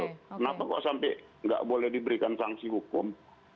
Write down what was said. kenapa kok sampai nggak boleh diberikan sanksi hukum